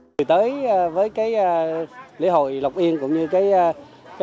từ lúc tới với cái lễ hội lộc yên cũng như cái lễ hội lộc yên